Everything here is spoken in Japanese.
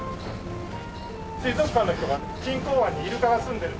水族館の人が錦江湾にイルカが棲んでるって。